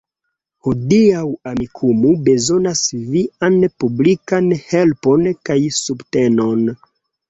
Hodiaŭ Amikumu bezonas vian publikan helpon kaj subtenon